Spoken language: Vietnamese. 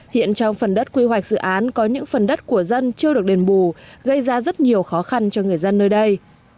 hiện trong phần đất quy hoạch dự án có những phần đất của dân chưa được đền bù gây ra rất nhiều khó khăn cho người dân nơi đây